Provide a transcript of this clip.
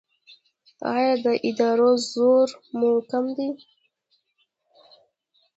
ایا د ادرار زور مو کم دی؟